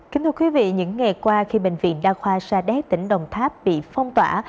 kính thưa quý vị những ngày qua khi bệnh viện đa khoa sa đéc tỉnh đồng tháp bị phong tỏa